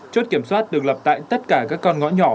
chốt kiểm soát được lập tại tất cả các con ngõ nhỏ